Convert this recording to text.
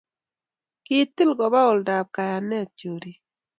kitil koba oldab kayanet chorik